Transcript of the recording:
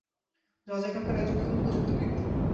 জজ এখানকার একজন খুব উপযুক্ত ব্যক্তি।